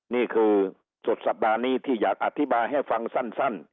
นี่คือสุดสัปดาห์นี้ที่อยากอธิบายให้ฟังสั้น